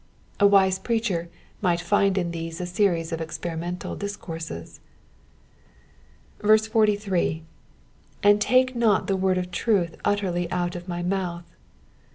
A wise preacher might find in these a series of experimental discourses. 43. ''''And take not the word of truth utterly out of my mouth.'